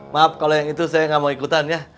maaf kalau yang itu saya nggak mau ikutan ya